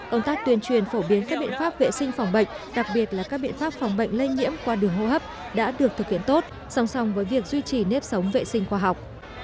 ông tác tuyên truyền phổ biến các biện pháp vệ sinh phòng bệnh đặc biệt là các biện pháp phòng bệnh lây nhiễm qua đường hô hấp đã được thực hiện tốt song song với việc duy trì nếp sống vệ sinh khoa học